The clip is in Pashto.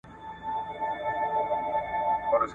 • د زکام او ټوخې لپاره ګټور دی